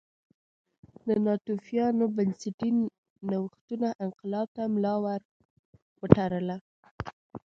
د ناتوفیانو بنسټي نوښتونو انقلاب ته ملا ور وتړله